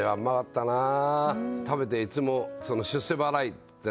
食べていつも出世払いって言ってね。